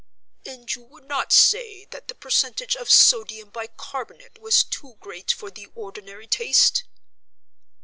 "And you would not say that the percentage of sodium bicarbonate was too great for the ordinary taste?"